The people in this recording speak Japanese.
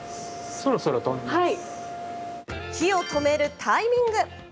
火を止めるタイミング。